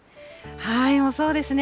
そうですね。